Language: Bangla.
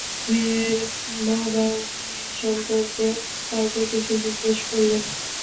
মেয়ের বাবাও মেয়ে সম্পর্কে কাউকে কিছু জিজ্ঞেস করলেন না।